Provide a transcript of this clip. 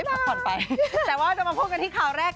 สวัสดีค่ะสวัสดีค่ะ